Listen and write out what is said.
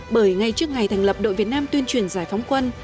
bởi ngay trước ngày thành lập đội việt nam tuyên truyền giải phóng quân